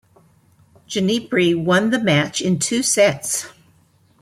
Ginepri won the match in two sets.